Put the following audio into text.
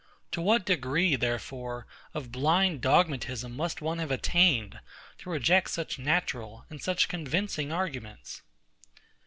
To what degree, therefore, of blind dogmatism must one have attained, to reject such natural and such convincing arguments?